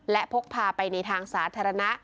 และพกพาไปในทางสาธารณะ